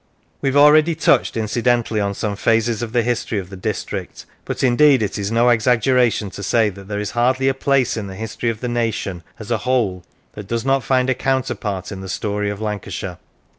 We have already touched incidentally on some phases of the history of the district; but indeed it is no exaggeration to say that there is hardly a phase in the history of the nation as a whole that does not find a counterpart in the story of Lancashire.